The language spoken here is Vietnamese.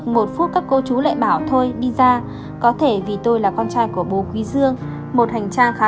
một phút các cô chú lại bảo thôi đi ra có thể vì tôi là con trai của bùi quý dương một hành trang khá